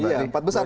iya empat besar